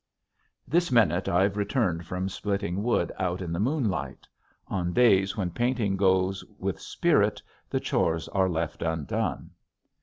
This minute I've returned from splitting wood out in the moonlight. On days when painting goes with spirit the chores are left undone.